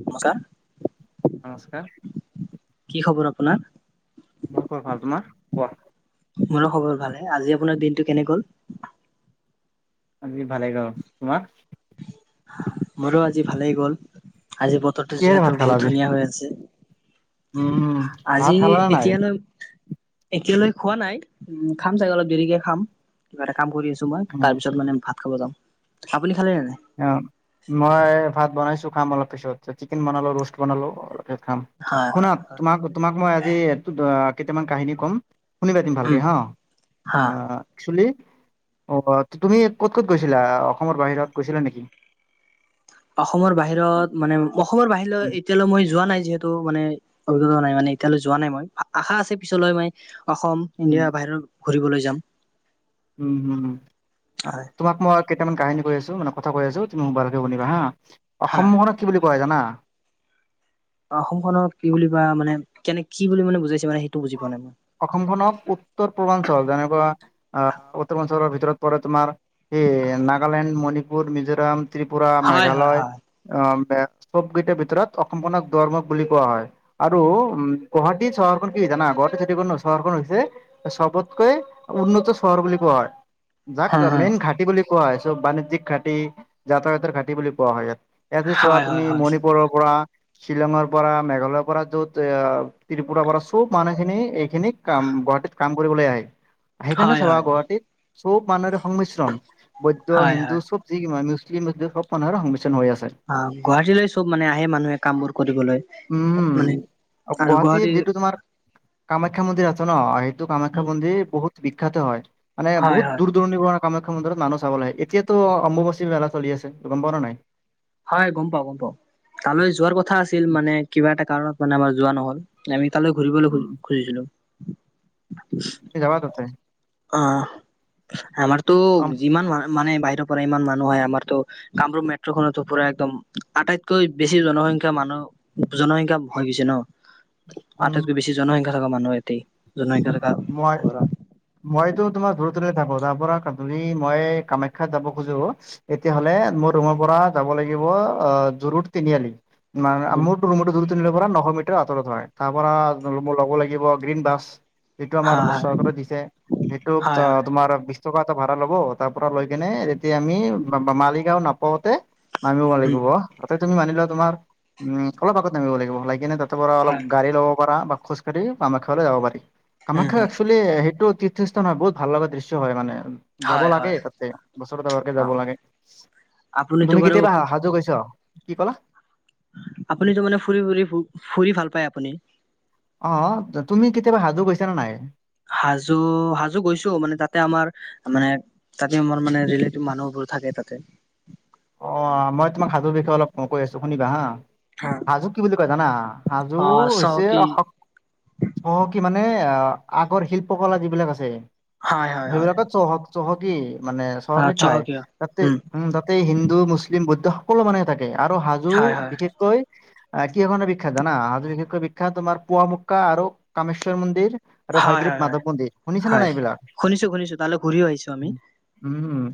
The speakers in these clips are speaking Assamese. নমস্কাৰ নমস্কাৰ কি খবৰ আপোনাৰ? মই কত ভাল। তোমাৰ কোৱা? মোৰ খবৰ ভালে। আজি আপোনাৰ দিনটো কেনে গ'ল? আজি ভালে গাঁও। তোমাৰ? মোৰো আজি ভালেই গ'ল। আজি বতৰটো কিহেৰে যিহেতু ভাত খালা বহুত আজি ধুনীয়া হৈ আছে। উম ভাত আজি খালা নে নাই এতিয়া নো একতিয়ালৈ খোৱা নাই উম খাম চাগে অলপ দেৰিকে খাম কিবা এটা কাম কৰি আছ। মই উম তাৰ পিছত মানে ভাত খাব যাম আপুনি। খালে নে নাই? অ মই ভাত বনাইছো খাম অলপ পিছত চিকেন বনালো, ৰোষ্ট বনালো, অলপ খাম হয় শুনা হয় তোমাক তোমাক মই আজি এই কেইটামান কাহিনী ক'ম শুনি পাতিম উম ভালকৈ হাঁ হা। একচলি। আহ তুমি ক'ত ক'ত গৈছিলা অসমৰ বাহিৰত গৈছিলা নেকি? অসমৰ বাহিৰত মানে অসমৰ বাহিৰত এতিয়ালৈ মই যোৱা নাই যিহেতু। মানে অভিজ্ঞতা নাই মানে এতিয়ালৈ যোৱা নাই মই আশা আছে পিছলৈ মান। অসম উম ইণ্ডিয়া বাহিৰত ঘূৰিবলৈ যাম। উম হম হয় তোমাক মই কেইটামান কাহিনী ক'ই আছো মানে কথা কৈ আছো তুমি ভালকেসোনিবা হা হা। অসমখনক কি বুলি। কোৱা হয় যানা? অসমখনক কি বুলি বা মানে কেনে কি বুলি মানে বুজাইছে মানে। বুজি পোৱা নাই মই। অসমখনক উত্তৰ পূৰ্বাঞ্চল যেনেকুৱা আহ উত্তৰ পূৰ্বাঞ্চলৰ। ভৰত পৰে তোমাৰ এই নাগালেণ্ড, মণিপুৰ, মিজোৰাম,। ত্ৰিপুৰা, হয় হয় মেঘালয়,। হয়। সব গীতৰ ভিতৰত অসমখনক ধৰ্মক বুলি কোৱা হয় আৰু উ গুৱাহাটী চহৰখন জানা ঘৰ চ চহৰখন হৈছে চবতকৈ উন্নত চহৰ বুলি কোৱা হয়। যাক হয় হয়। মেইন ঘাটি বুলি কোৱা হয়। চব বাণিজ্যিক ঘাটি, যাতায়াতৰ ঘাটি বুলি কোৱা হয়। ইয়াত ই চোৱা হয় হয় তুমি হয়। মণিপুৰৰ পৰা, শ্বিলঙৰ পৰা, মেঘালয়ৰ পৰা, য'ত ত্ৰিপুৰাৰ পৰা চব মানুহখিনি খিনিক ক গুৱাহাটীত কাম কৰিবলৈ আহে সেইকাৰণে হয় চাবা হয় গুৱাহাটীত চব মানুহৰে সংমিশ্ৰণ বৈদ্ধ, হয় হিন্দু হয়। চব যি মুছলিম সব মানুহে সংমিশ্ৰণ। হৈ আছে। অঁ গুৱাহাটীলৈ চব মানে আহে মানুহে কাম বোৰ কৰিবলৈ উম, মানে গুৱাহাটীৰ যিটো তোমাৰ কামাখ্যা মন্দিৰ আছে ন সটো কামাখ্যা মন্দিৰ বহুত বিখ্যাত হয়। মান হয় বহুত হয় দূৰ দূৰণিৰৰণ পৰা কামাখ্যা মন্দিৰত মানুহ চাব আহে এতিয়াতো অম্বুবচী মেলা চলিআছে গ'ম পাও নাই? হয় গম পাও গম পাও তালৈ যোৱাৰ কথা আছিল মানে কিবা এটা কাৰণত মানে আমাৰ যোৱা নহল আমি তালৈ ঘূবলৈ উম, খুজিছিলো যাবা তাতে। অঁ আমাৰতো অ যিমান মা মানে বাহিৰৰ পৰা ইমান মানুহ হয় আমাৰতো কামৰূপ মেট্ৰ' খনত পুৰা একদম আটাইতকৈ বেছি জনসংখ্যা মানুহ জনসংখ্যা হৈ গৈছে ন আটাইতকৈ বেছি জনসংখ্যা থকা মানুহ এতেই উ মই মইতো তোমাৰ দূৰে দূৰে থাকো তাৰ পৰা যদি মই কামাখ্যাত যাব খোজো তেতিয়া হলে মোৰ ৰুমৰ পৰা যাব লাগিব জৰুড তিনিআলি মান উম মোৰতো ৰুমত দূৰতত নিল পৰা নশ মিটাৰ আঁতৰত হয় তাৰ পৰাৰা ল'ব লাগিব গ্ৰীণ বাছ সেইটো আমাৰ হয় [unintelligible] দিছে সেইটোক হয় হয় হয় তোমাৰ চকা এটা ভাড়া ল'ব তাৰ পৰা লৈ কেনে তেতিয়া আমি মালিগাও নাপাওতে নামিব উম লাগিব তাতে তুমি মানিলা তোমাৰ উম অলপ আগত নামিব লাগিব [unintelligible] তাৰ পৰা অলপ হয় গাড়ী লব পাৰা বা খোজ কাঢ়ি কামাখ্যা লৈ যাব পাৰি উম কামাখ্যা হম একচুৱেলি হেই টো তীৰ্থস্থান বহুত ভাল লগা দৃশ্য হয় মানে যাব হয় লাগে হয় তাতে বছৰত এবাৰকে অ যাব লাগে আপুনিতো তুমি বাৰু কেতিয়াবা হাজু গৈছ কি কলা আপুনিতো মানে ফুৰি ফুৰি ফ ফুৰি ভাল পায় আপুনি অ তুমি কেতিয়াবা হাজু গৈছা নে নাই হাজো হাজো গৈছো মানে তাতে আমাৰ মানে তাতে আমাৰ মানে ৰিলেটিভ মানুহবোৰ থাকে তাতে অ মই তোমাক সাজুৰ বিষয়ে অলপ কৈ আছো শুনিবা হা হা হাজো কি বুলি কয় জানা হাজো অ হৈছে চহকী অসম [unintelligible] আগৰ শিল্পকলা যিবিলাক আছে হয় হয় হয় সেইবিলাকত চহক চহকী মানে আহ চহৰী ঠাই চহকীয় তাতে উম তাতে হিন্দু মুছলিম বৌদ্ধ সকলো মানুহে থাকে আৰু হাজো হয় হয় বিশেষকৈ আহ কিহৰ কাৰণে বিখ্যাত জানা বিশেষকৈ বিখ্যাত তোমাৰ পুৱামু্কাা আৰু কামেশ্বৰ মন্দিৰ আৰু হয় হয়গ্ৰীব হয় হয় মাধৱ মন্দিৰ শুনিছানে হয় নাই এইবিলাক শুনিছো শুনিছো তালৈ ঘূৰিও আহিছো আমি উম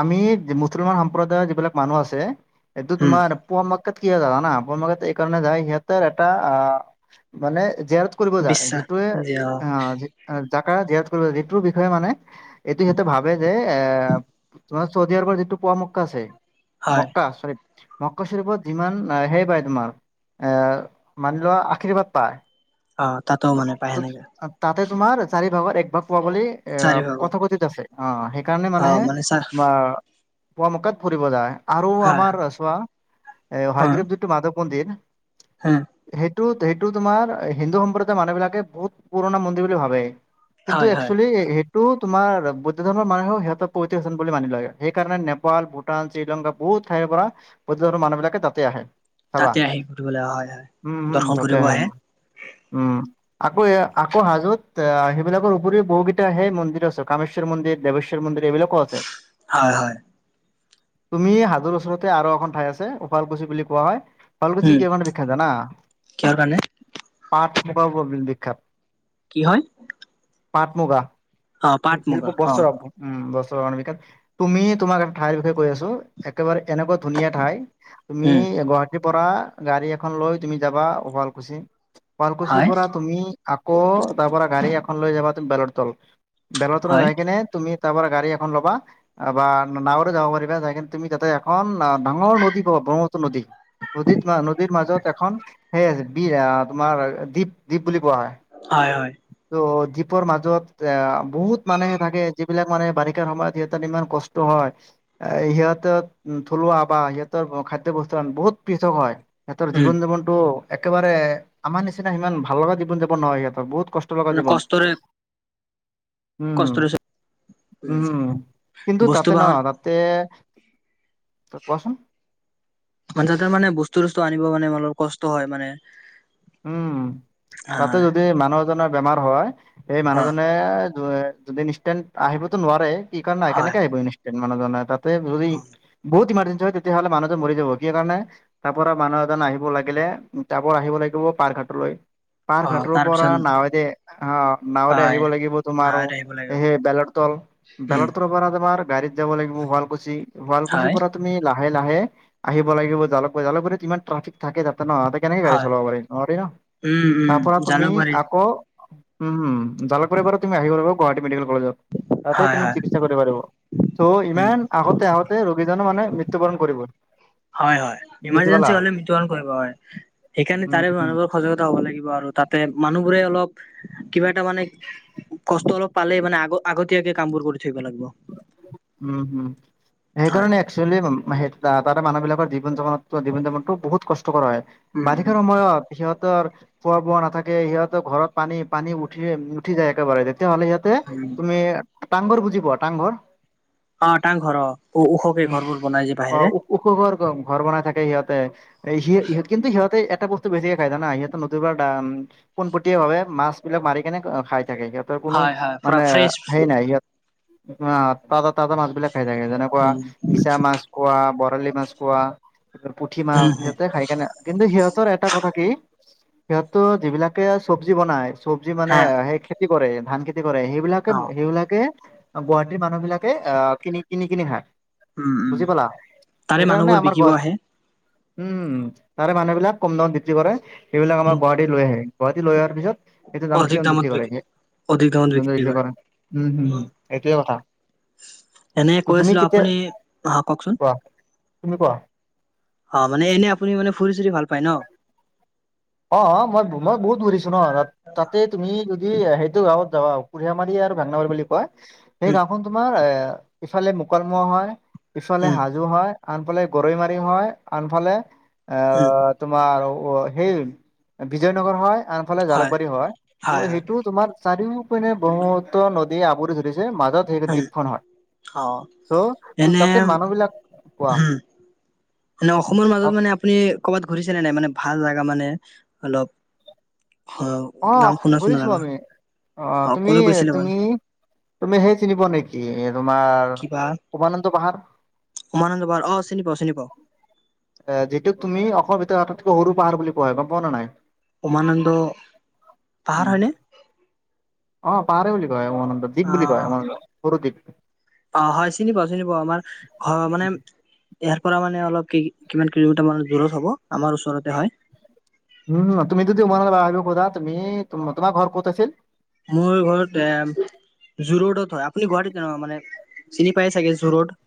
আমি মুছলমান সম্প্ৰদায়ৰ যিবিলাক মানুহ আছে এইটো উম তোমাৰ পুৱ ম [unintelligible] কি হয় জানা ন এই কাৰণে যায় সিহঁতৰ এটা আহ মানে [unintelligible] দিয়াৰ কৰিব যায় বিশ্বাস যিটোৱে যে অ এ অ যাক মক্কা ধ্যান কৰো যিটোৰ বিষয়ে মানে এইটো সিহঁতে ভাবে যে এ তোমাৰ চৌদিয়াৰ পৰা যিটো পোৱা ম কছে হয় মক্কা চৰি মক্কা চৰি পৰা যিমান আহে যায় তোমাৰ এ মানি লোৱা আশীৰ্বাদ পায় অ তাতো মানে পায় সেনেকে ত তোমাৰ চাৰি ভাগত এক ভাগ পোৱা বুলি চাৰি ভাগত কথা কথিত আছে অ কাৰণে অ মানুহে মানে চা বা পুৱ মকাত ফুৰিব যায় আৰু হয় আমাৰ চোৱা এাগ্ৰীৱ যিটো মাধৱ মন্দিৰ [unintelligible] হা সেটো সেইটো তোমাৰ হিন্দু সম্প্ৰদায়ৰ মানুহ বিলাকে বহুত পুৰণা মন্দিৰ বুলি ভাবে কিন্তু হয় হয় একচুৱেলি সেইটো তোমাৰ বুদ্ধ ধৰ্মৰ মানুহেও সিহঁত [unintelligible] মানি লয় সেইকাৰণে নেপাল ভূটান শ্ৰীলংকা বহুত ঠাইৰ পৰা গুজৰাটৰ মানুহবিলাকে তাতে আহে [unintelligible] চাবা তাতে আহি ঘুৰিবলৈ হয় হয় উম হম দৰ্শন তাতে কৰিব হয় আহে উম আকৌ এ আকৌ হাজোত সেইবিলাকৰ উপৰিও বহুকেইটাহে মন্দিৰ আছে কামেশ্বৰ মন্দিৰ দেৱেশ্বৰ মন্দিৰ এইবিলাক কত আছে হয় হয় তুমি হাজৰ ওচৰতে আৰু এখন ঠাই আছে শোফালকুছি বুলি কোৱা হয় [unintelligible] শুৱালকুছি উম কিহৰ কাৰণে বিখ্যাত জানা কিহৰ কাৰণে পাট মুগাৰ কাৰণে বিখ্যাত কি হয় পাট মুগা অ পাট শিল্প মুগা অ বস্ত্ৰ উম ব ত অনামিকা তুমি তোমাক এটা ঠাইৰ বিষয়ে কৈ আছো একেবাৰে এনেকুৱা ধুনীয়া ঠাই তুমি উম গুৱাহাটী পৰা গাড়ী এখন লৈ তুমি যাবা শুৱালকুছি শুৱালকুছিৰ হয় পৰা তুমি আকৌ তাৰ পৰাৰা গাড়ী এখন লৈ যাবা তুম বেল তল বেল তল হয় যাই কিনে তুমি তাৰপৰা গড়ী এখন ল'বা বা নাৱৰে যাব পাৰিবা য কি তুমি তাতে এখন অঁ ডাঙৰ নদী পাবা ব্ৰহ্মপুত্ৰ নদী নদীত নদীত মাজত এখন কি আমাৰ দি। বুলি কোৱা হয় হয় হয় ত মাজত এ বহুত মানুহে থাকে যিবিলাক মানে বাৰিষাৰ সময়ত সিহ ইমান কষ্ট হয় এ সিহঁতৰ থলুৱা বা সিহঁতৰ খাদ্য বস্ত বহুত পৃথক হয় সিহঁতৰ উম জীৱন জীৱনটো একেবাৰে আমাৰ নিচিনা সিমান ভাল লগা জীৱন জাপন নহয় সিহঁতৰ বহুত কষ্টকৰ মানে জীৱন কষ্টৰে উম কষ্টৰে হম উম। কিন্ত বস্তু তাতে ন বাহন তাতে কোৱাচোন। যাতেৰ মানে বস্তু চস্তু আনিব মানে অলপ কষ্ট হয় মানে। উম অ তাতে যদি মানুহ এজনৰ বেমাৰ হয় এই মানুহজনে যদি ইনষ্টেণ্ট আহিবতো নোৱাৰে কি কাৰণ নাই হয় কেনেকে আহিব ইনষ্টেণ্ট মানুহজনে তাত। তে তদি বহুত মাৰে তেতিয়াহলে মানুহজন মৰি যাব কি কাৰণে তাৰ পৰা মানুহ এজন আহিব লাগিলে তাৰ পৰা আহিব লাগিল। পাৰঘাটলৈ। পাৰ্ক অ ঘাটোৰ পৰা তাৰপিছত নাৱতে অ নাৱৰে হয় আহিব লাগিব তোমাৰ নাৱত আহিব লাগিব সেই বলেত। বেল উম তৰ পৰা তমাৰ গাড়ীত যাব লাগিব শুৱালকুছি শুৱালকুছিৰ হয় পৰা তুমি লাহ লাহে লাহে আহিব লাগিব য জালকক ইমান ট্ৰফিক থাকে তাতে নহতে কেনেকে গাডী হয় চলাব পাৰি নোৱাৰি ন উম উম তাৰ পৰা তুমি জালুকবাৰী আকৌ উম উম জালকব বাৰু তুমি আহি গলা বাৰু গুৱাহাটী মেডিকেল কলেজত তাতে হয় তুমি হয় চিকিৎসা কৰিব পাৰিব ত' উম ইমান আগতে আগতে ৰোগীজনো মানে [unintelligible] মৃত্যুবৰণ কৰিব হয় হয় বুজি ইমাৰ্জেঞ্চি পালা। হলে মৃত্যু বৰন কৰিব হয় সেইকাৰ উম তাৰে [unintelligible] উম মানুহবোৰ সজাগতা হ'ব লাগিব আৰু তাতে মানুহবোৰে অলপ কিবা এটা মানে কষ্ট অলপ পালেই মানে আগ আগতীয়াকে কাম বোৰ কৰি থাকিব লাগিব [unintelligible] উম হম হয় সেইকাৰণে একচুৱেলি মি তাত [unintelligible] তাৰে মানুহ বিলাকৰ জীৱন যাপনত জীৱন যাপনটো বহু কষ্ট কৰা হয় উম উম বাৰিষাৰ সময়ত সিহত [unintelligible] সহ খোৱা বোৱা নাথাকে সিহঁতৰ ঘৰত পানী পানী উঠি উঠি যায় একেবাৰে [unintelligible] তেতিয়াহ'লে ইয়াতে উম তুমি টাংঘৰ বুজি পোৱা টাংঘৰ [unintelligible] অ তাৰ ঘৰ ওখকে উ ঘৰবোৰ বনাই যে অ বাহিৰে ওখ ঘৰ ঘৰ বনাই থাকে সিহঁত [unintelligible] সিহঁত কিন্তু সিহঁতে এটা বস্তু বেছিকে খায় জানা সিহত নুনবাৰ পোনপটীয়া ভাৱে [unintelligible] মাছ বিলাক মাৰি কেনে খাই থাকে সিহঁতৰ কোনো হয় হয় পুৰা মানে ফ্ৰেছ সেই নাই ইহত ত [unintelligible] তা মাছ বিলাক খাই থাকে যেনেকুৱা উম মিছা মাছ কোৱা বৰালি মাছ কোৱা [unintelligible] পুঠি মাছ সিহঁতে খাই কেনে কিন্তু সিহঁত চবৰে এটা কথা কি সিহঁতো যিবিলাকে চব্জি বনাই চব্জি মানে হা সেই খে খেতি কৰে ধান খেতি কৰে সেইবিলাকে অ সেইবিলাকে গুৱাহাটীৰ মানুহ বিলাক কে অহ কিনি কিনি খায উম উম বুজি পালা তাৰে সেইকাৰণে মানুহবোৰ আমাৰ বিকিব গুৱা আহে উম তাৰে মানুহবিলাক কম দাম বিক্ৰী কৰে সেইবিলাক আমাৰ গুৱাহাটীত লৈ আহে গুৱাহাটী লৈ অহাৰ পিছত এইটো দাম [unintelligible] পিছে অধিক দামত বিকি অধিক দামত বিক্ৰী কৰে কৰে কৰেম হম উম এইটোয়ে কথা এনে কৈ তুমি আছিলো কেতিয়া আপুনি আহ কওঁকচোন কোৱা, তুমি কোৱা অ মানে এনে আপুনি মানে ফুৰি চুৰি ভাল পায় ন অ অ মই মই বহুত ঘূৰিছো ন তাতে তুমি যদি সেইটো গাঁৱত যাওঁ কুঢ়িয় মাৰি আৰু বাংলা বাৰী বুলি কয় সেই উম গাঁওখন তোমাৰ এ ইফালে মুকলমোৱা হয় ইফালে উম হাজো হয় আনফালে গৈৰৈ মাৰি হয় আনফালে উম আহ তোমাৰ সেই বিজয় নগৰ হয়, আনফালে জালুকবাৰী হয়। হয় ত' হয় সেইটো তোমাৰ চাৰিও নে বহুতো নদী আৱৰি ধৰিছে, মাজত সেই উম দ্বীপখন হয়। অ চ', তো এনে তাতে মানুহ বিলাক, কোৱা মানে অসমৰ মাজত তাত মানে আপুনি কৰবাত ঘুৰি নাই মানে ভাল জাগা মানে, অলপ অ নাম অ', শুনা শুনা ঘুৰিছো জাগা আমি। অ', কলৈ গৈছিলে বাৰু তুমি-তুমি-তুমি সেই চিনি পোৱা নেকি? তোমাৰ কিবা উমানন্দ পাহাৰ উমানন্দ পাহাৰ অ চিনি পাওঁ চিনি পাওঁ এ যিটোক তুমি অসমৰ ভিতৰত আটাইতকৈ সৰু পাহাৰ বুলি কোৱা হয়। গম পোৱা না নাই? উমানন্দ, উম পাহাৰ হয়নে? অ পাহাৰে বুলি কয় উমানন্দ, দ্বীপ বুলি কয় অ উমানন্দ সৰু দ্বীপ অ', হয় চিনি পাও, চিনি পাও। আমাৰ ঘৰৰ মানে ইয়াৰ পৰা মানে অলপ কি কিমান কিলোমিটাৰ মানৰ দূৰত হ'ব, আমাৰ ওচৰতে হয়। উম তুমিটো দি মানলৈ আহা যোৱা কৰা তুমি, তোমাৰ ঘৰ ক'ত আছিল? মোৰ ঘৰত এয়া জো ৰোডত হয়, আপুনি গুৱাহাটীত আ মানে চিনি পাই চাগে জো ৰড?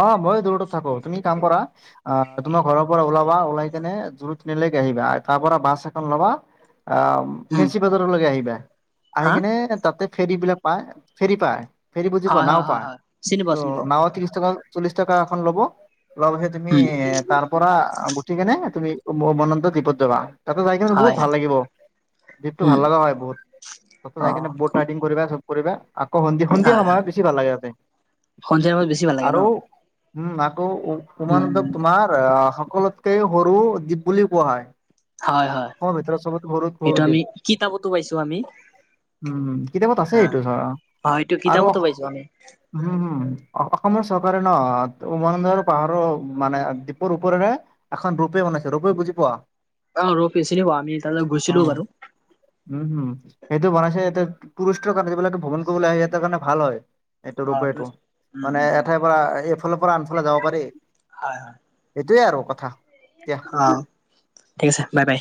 অ', ময়ো জো ৰডত থাকো। তুমি কাম কৰা আ তুমাৰ ঘৰৰ পৰা ওলাবা, ওলাই কেনে জো ৰড তিনিলৈকে আহিবা। তাৰ পৰা বাছ এখন ল'বা আ', উম ফেঞ্চি বজাৰলৈকে আহিবা, আহি হা কিনে তাতে ফেৰী বিলাক পায় ফেৰী পায়, ফেৰী বুজি পোৱা? হয় নাও হয় হয় পায়। হয় চিনি পাও চিনি পাও ত' চল্লিশ টকা এখন লব, লোৱা পিছত তুমি উম তাৰ পৰা ঠিকেনে তুমি উমানন্দ দ্বীপত যাবা, তাতে যাই কেনে বহুত হয় হয় ভাল লাগিব। দ্বীপটো ভাল উম লাগা হয় বহুত। তাতে অ জাই কিনে বট ৰাইডিং কৰিবা চব কৰিবা। আকৌ সন্ধি-সন্ধিয়া সময় বেছি ভাল লাগে দেই। সন্ধিয়াৰ সময়ত বেছি ভাল লাগে ন? উম, আকৌ উ-উমানন্দ উম তোমাৰ আহ সকলোতকে সৰু দ্বীপ বুলি কোৱা হয়। হয়, হয়। অসমৰ ভিতৰত চবতকে সৰু সৰু এইটো দ্বীপ আমি কিতাপতো পাইছো আমি। উম, কিতাপত আছে হা এইটো ধৰ অ হয় এইটো আৰু কিতাপতো আস, পাইছো আমি হম হম অসমৰ চৰকাৰে ন উমানন্দ পাহাৰৰ মানে দ্বীপৰ ওপৰৰে, এখন ৰপ ৱে ব ৰ্প ৱে বুজি পোৱা? অ', ৰপ ৱে চিনি পাও, আমি তাৰলৈ অ গুছিলোও বাৰু। উম হম সেইটো বনাইছে ইয়াতে টুৰিষ্টৰ কাৰণে। যিবিলাকে ভ্ৰমণ কৰিবলৈ আহে ইহঁতৰ কাৰণে ভাল হয় এইটো অ ৰপৱেটো। উম মানে উম উম এঠাইৰ পৰা, এইফালৰ পৰা আনফালে যাব পাৰি, হয় হয় সেইটোৱে আৰু কথা। এতিয়া অ', ঠিক আছে। বাই, বাই।